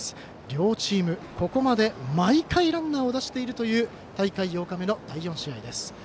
両チーム、ここまで毎回ランナーを出しているという大会８日目の第４試合です。